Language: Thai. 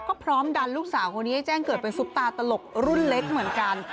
ก็พร้อมดันลูกสาวคนนี้ให้แจ้งเกิดเป็นซุปตาตลกรุ่นเล็กเหมือนกัน